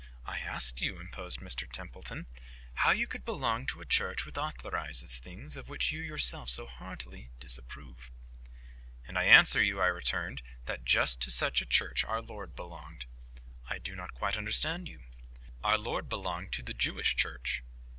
"I asked you," interposed Mr Templeton, "how you could belong to a Church which authorizes things of which you yourself so heartily disapprove." "And I answer you," I returned, "that just to such a Church our Lord belonged." "I do not quite understand you." "Our Lord belonged to the Jewish Church."